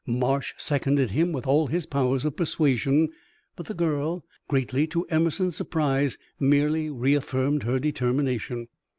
Marsh seconded him with all his powers of persuasion, but the girl, greatly to Emerson's surprise, merely reaffirmed her determination.